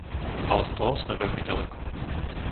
A od toho sme veľmi ďaleko.